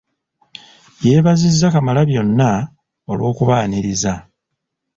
Yeebazizza Kamalabyonna olw'okubaaniriza.